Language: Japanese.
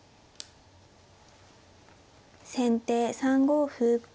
先手３五歩。